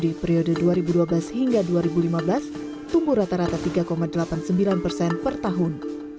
di periode dua ribu dua belas hingga dua ribu lima belas tumbuh rata rata tiga delapan puluh sembilan persen per tahun